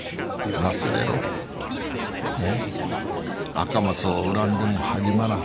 赤松を恨んでも始まらん。